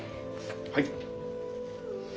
はい。